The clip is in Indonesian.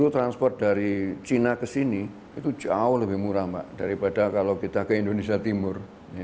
transport dari cina ke sini itu jauh lebih murah mbak daripada kalau kita ke indonesia timur